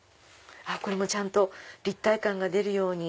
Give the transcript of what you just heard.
これもちゃんと立体感が出るように。